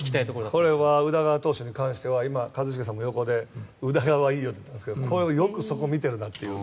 これ、宇田川投手に関しては今、一茂さんも横で宇田川いいよって言ってたんですけどよくそこを見てるなっていう。